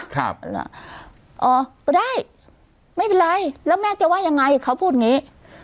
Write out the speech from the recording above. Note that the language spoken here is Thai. อ๋อก็ได้ไม่เป็นไรแล้วแม่จะว่ายังไงเขาพูดอย่างงี้